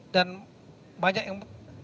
dan banyak yang